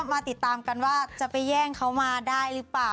มาติดตามกันว่าจะไปแย่งเขามาได้หรือเปล่า